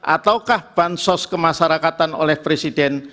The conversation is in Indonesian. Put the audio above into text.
ataukah bansos kemasyarakatan oleh presiden